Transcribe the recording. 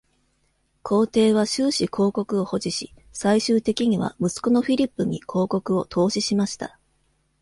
皇帝は終始公国を保持し、最終的には息子のフィリップに公国を投資しました。